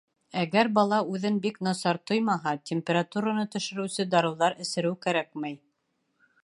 Әгәр бала үҙен бик насар тоймаһа, температураны төшөрөүсе дарыуҙар эсереү кәрәкмәй.